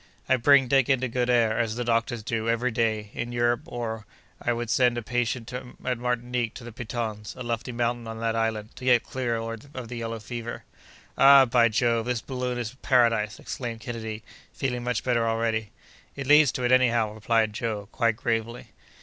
"I bring Dick into good air, as the doctors do, every day, in Europe, or, as I would send a patient at Martinique to the Pitons, a lofty mountain on that island, to get clear of the yellow fever." "Ah! by Jove, this balloon is a paradise!" exclaimed Kennedy, feeling much better already. "It leads to it, anyhow!" replied Joe, quite gravely.